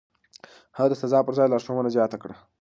هغه د سزا پر ځای لارښوونه زياته کړه.